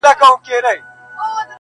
o اور او اوبه نه سره يو ځاى کېږي!